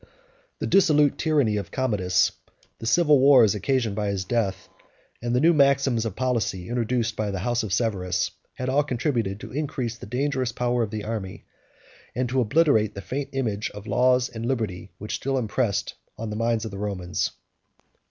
—G] The dissolute tyranny of Commodus, the civil wars occasioned by his death, and the new maxims of policy introduced by the house of Severus, had all contributed to increase the dangerous power of the army, and to obliterate the faint image of laws and liberty that was still impressed on the minds of the Romans.